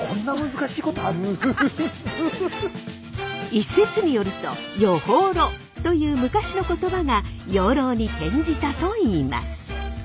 一説によると膕という昔の言葉が養老に転じたといいます。